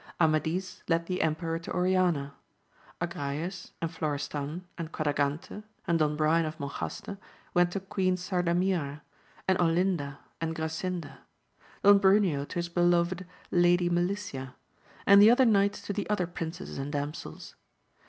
Amadis led the emperor to Oriana. Agrayes, and Florestan, and Quadragante, and Don Brian of Monjaste, went to Queen Sardamira, and Olinda, and Grasinda ; Don Bruneo to his beloved Lady Melicia ; and the other knights to the other princesses and damsels.